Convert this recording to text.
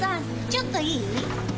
ちょっといい？